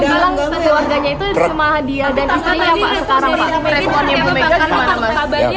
dan istrinya pak sekarang pak